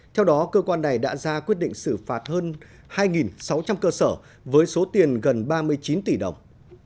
theo đó cơ quan này đã ra quyết định xử phạt hơn hai sáu trăm linh cơ sở với số tiền gần ba mươi chín tỷ đồng